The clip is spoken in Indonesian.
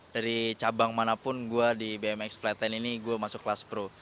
dari cabang manapun gue di bmx flatten ini gue masuk kelas pro